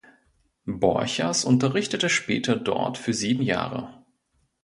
Borchers unterrichtete später dort für sieben Jahre.